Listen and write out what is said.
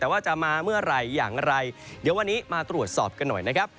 แต่ว่าจะมาเมื่อไหร่อย่างไรเดี๋ยววันนี้มาตรวจสอบกันหน่อยนะครับ